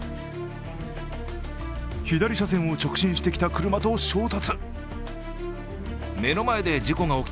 左車線を直進してきた車と衝突。